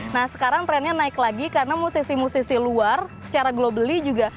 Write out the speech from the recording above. nah sekarang trendnya naik lagi karena musisi musisi luar secara globally juga